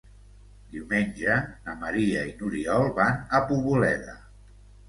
Diumenge na Maria i n'Oriol van a Poboleda.